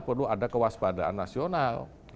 perlu ada kewaspadaan nasional